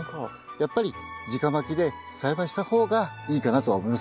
やっぱりじかまきで栽培した方がいいかなとは思いますけどね。